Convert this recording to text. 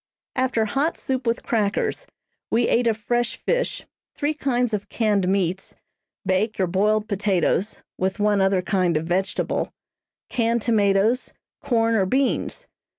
After hot soup with crackers, we ate of fresh fish, three kinds of canned meats, baked or boiled potatoes, with one other kind of vegetable, canned tomatoes, corn or beans.